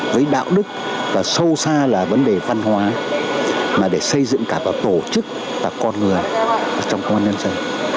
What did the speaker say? với đạo đức và sâu xa là vấn đề văn hóa mà để xây dựng cả vào tổ chức và con người trong công an nhân dân